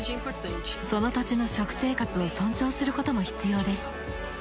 その土地の食生活を尊重することも必要です。